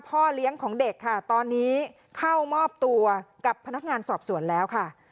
พ่อเลี้ยงของเด็กค่ะตอนนี้เข้ามอบตัวกับพนักงานสอบสวนแล้วค่ะ